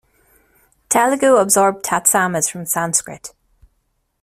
Telugu absorbed "tatsama"s from Sanskrit.